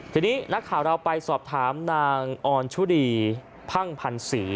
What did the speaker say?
ทีนี้นักข่าวเราไปสอบถามนางออนชุดีพั่งพันศรี